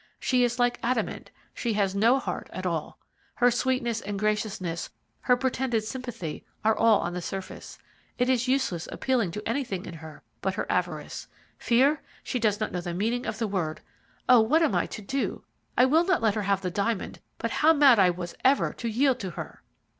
She is like adamant, she has no heart at all. Her sweetness and graciousness, her pretended sympathy, are all on the surface. It is useless appealing to anything in her but her avarice. Fear! she does not know the meaning of the word. Oh, what am I to do? I will not let her have the diamond, but how mad I was ever to yield to her!"